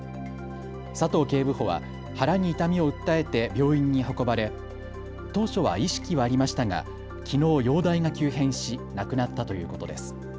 佐藤警部補は腹に痛みを訴えて病院に運ばれ当初は意識はありましたがきのう容体が急変し、亡くなったということです。